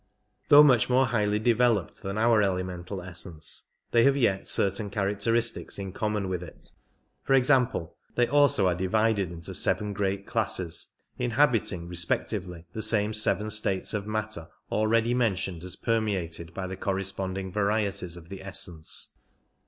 Though much more highly developed than our elemental essence, they have yet certain characteristics in common with it ; for example, they also are divided into seven great classes, inhabiting respectively the same seven states of matter already mentioned as permeated by the corresponding varieties of the essence.